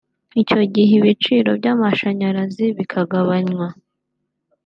icyo gihe ibiciro by’amashanyarazi bikagabanywa